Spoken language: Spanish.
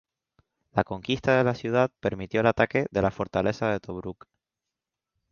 La conquista de la ciudad permitió el ataque de la fortaleza de Tobruk.